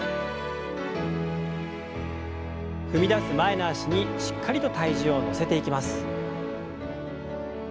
踏み出す前の脚にしっかりと体重を乗せていきます。